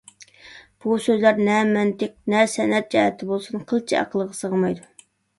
بۇ سۆزلەر نە مەنتىق، نە سەنئەت جەھەتتە بولسۇن قىلچە ئەقىلگە سىغمايدۇ.